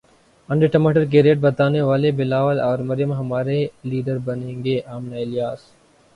انڈے ٹماٹر کے ریٹ بتانے والے بلاول اور مریم ہمارے لیڈر بنیں گے امنہ الیاس